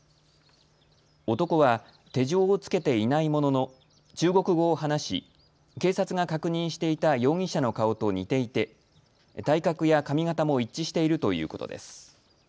男は手錠をつけていないものの中国語を話し警察が確認していた容疑者の顔と似ていて体格や髪形も一致しているということです。